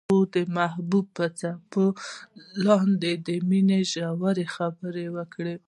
هغوی د محبوب څپو لاندې د مینې ژورې خبرې وکړې.